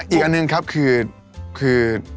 อีกอันนึงคือ